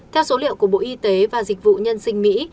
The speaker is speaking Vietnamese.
theo số liệu của bộ y tế và dịch vụ nhân sinh mỹ